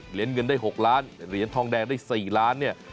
เหรียญเงินได้๖ล้านเหรียญทองแดงได้๔ล้านเนี่ย